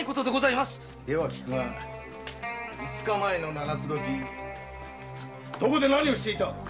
では聞くが五日前の七つ時どこで何をしていた！